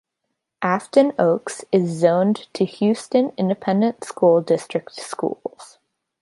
Afton Oaks is zoned to Houston Independent School District schools.